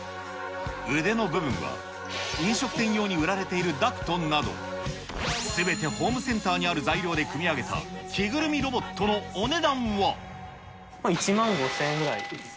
腕の部分は、飲食店用に売られているダクトなど、すべてホームセンターにある材料で組み上げた着ぐるみロボットの１万５０００円ぐらいです。